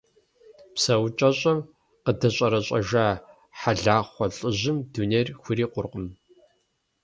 ПсэукӀэщӀэм къыдэщӀэрэщӀэжа Хьэлахъуэ лӀыжьым дунейр хурикъуркъым.